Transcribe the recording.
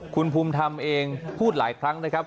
คุณภูมิธรรมเองพูดหลายครั้งนะครับ